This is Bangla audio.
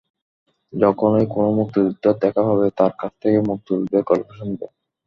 যখনই কোনো মুক্তিযোদ্ধার দেখা পাবে, তাঁর কাছ থেকে মুক্তিযুদ্ধের গল্প শুনবে।